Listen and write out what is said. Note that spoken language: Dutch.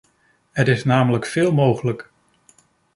Er is namelijk veel mogelijk.